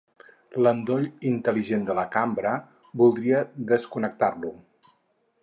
L'endoll intel·ligent de la cambra, voldria desconnectar-lo.